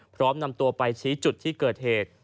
พร้อมนำตัวไปชี้จุดที่เกิดเหตุ